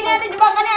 ya allah ini apaan ini